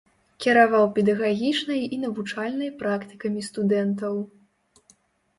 Кіраваў педагагічнай і навучальнай практыкамі студэнтаў.